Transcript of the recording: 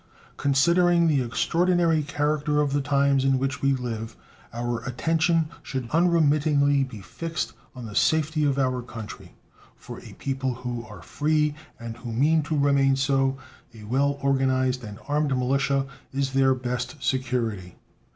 Considering the extraordinary character of the times in which we live, our attention should unremittingly be fixed on the safety of our country. For a people who are free, and who mean to remain so, a well organized and armed militia is their best security.